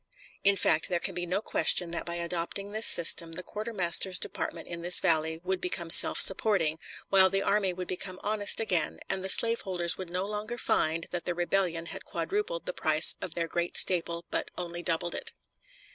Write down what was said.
In fact, there can be no question that by adopting this system the quartermaster's department in this valley would become self supporting, while the army would become honest again, and the slaveholders would no longer find that the rebellion had quadrupled the price of their great staple, but only doubled it.